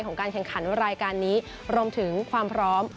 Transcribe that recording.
การแข่งขันรายการนี้รวมถึงความพร้อม